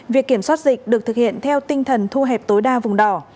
việc kiểm soát dịch được thực hiện theo tinh thần thu hẹp tối đa vùng đỏ